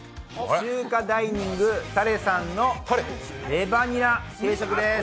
中華ダイニング多礼さんのレバニラ定食です。